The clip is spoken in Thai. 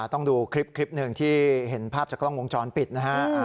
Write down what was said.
ต้องดูคลิปหนึ่งที่เห็นภาพจากกล้องวงจรปิดนะฮะ